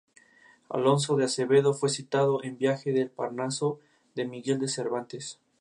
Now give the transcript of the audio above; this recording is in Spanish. Alonso de Acevedo fue citado en "Viaje del Parnaso" de Miguel de Cervantes.